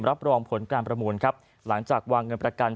รับรองผลการประมูลครับหลังจากวางเงินประกัน